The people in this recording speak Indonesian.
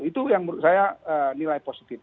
itu yang menurut saya nilai positif